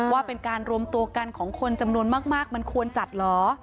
ว่าเป็นการรวมตัวกันของคนจำนวนมากมันควรจัดเหรอ